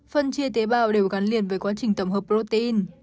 phân chia tế bào đều gắn liền với quá trình tổng hợp protein